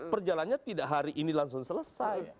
perjalannya tidak hari ini langsung selesai